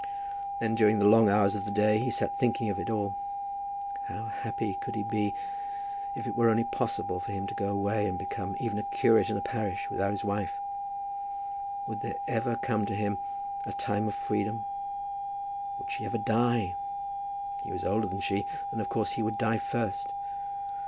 Then during the long hours of the day he sat thinking of it all. How happy could he be if it were only possible for him to go away, and become even a curate in a parish, without his wife! Would there ever come to him a time of freedom? Would she ever die? He was older than she, and of course he would die first.